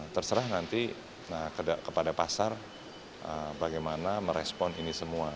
terserah nanti kepada pasar bagaimana merespon ini semua